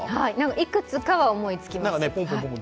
いくつかは思いつきます。